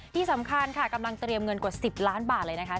ที่สำคัญค่ะกำลังเตรียมเงินกว่า๑๐ล้านบาทเลยนะคะ